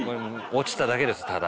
落ちただけですただ。